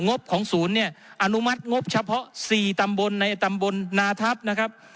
บของศูนย์เนี่ยอนุมัติงบเฉพาะ๔ตำบลในตำบลนาทัพนะครับ